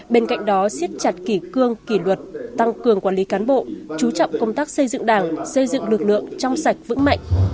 bên cạnh đó siết chặt kỷ cương kỷ luật tăng cường quản lý cán bộ chú trọng công tác xây dựng đảng xây dựng lực lượng trong sạch vững mạnh